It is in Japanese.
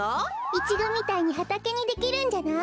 イチゴみたいにはたけにできるんじゃない？